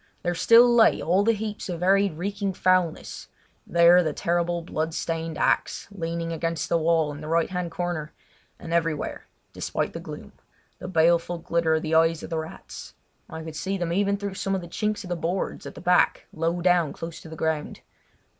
There still lay all the heaps of varied reeking foulness; there the terrible blood stained axe leaning against the wall in the right hand corner, and everywhere, despite the gloom, the baleful glitter of the eyes of the rats. I could see them even through some of the chinks of the boards at the back low down close to the ground.